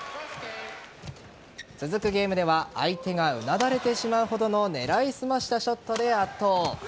続くゲームでは相手がうなだれてしまうほどの狙い澄ましたショットで圧倒。